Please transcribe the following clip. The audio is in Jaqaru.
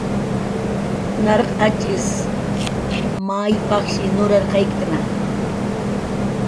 Narq atx'is may pajshiw nurarqayktna